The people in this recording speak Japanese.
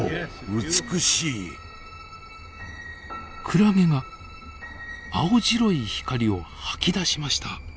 クラゲが青白い光を吐き出しました。